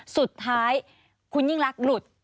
สุดท้ายคุณยิ่งรักหลุด